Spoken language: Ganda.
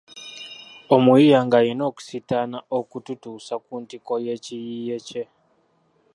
Omuyiiya ng'alina okusiitaana okututuusa ku ntikko y'ekiyiiye kye.